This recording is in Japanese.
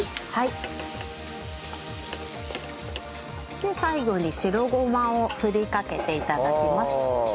で最後に白ごまを振りかけて頂きます。